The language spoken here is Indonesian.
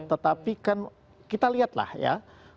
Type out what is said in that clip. tetapi kan kita lihatlah ya